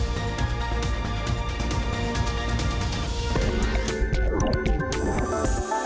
สวัสดีค่ะ